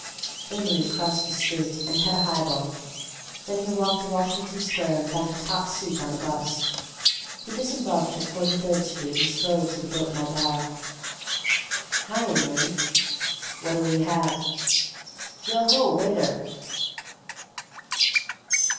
Amory crossed the street and had a high ball; then he walked to Washington Square and found a top seat on a bus. He disembarked at Forty third Street and strolled to the Biltmore bar. "Hi, Amory!" "What'll you have?" "Yo ho! Waiter!"